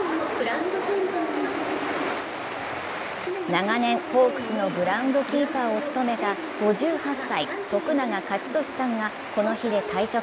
長年、ホークスのグラウンドキーパーを務めた５８歳・徳永勝利さんがこの日で退職。